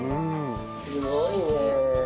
すごいね。